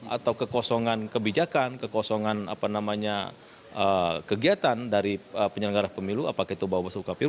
atau kekosongan kebijakan kekosongan kegiatan dari penyelenggara pemilu apakah itu bawaslu kpu